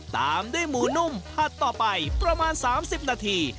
ตามด้วยหมูนุ่มผัดต่อไปประมาณ๓๐นาที